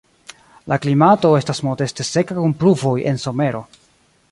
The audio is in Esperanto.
La klimato estas modeste seka kun pluvoj en somero.